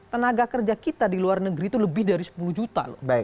tenaga kerja kita di luar negeri itu lebih dari sepuluh juta loh